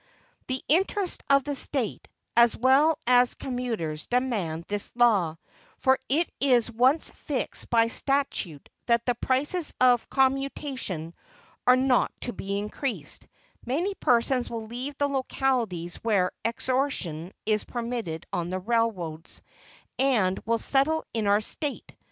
The interests of the State, as well as commuters, demand this law; for if it is once fixed by statute that the prices of commutation are not to be increased, many persons will leave the localities where extortion is permitted on the railroads, and will settle in our State.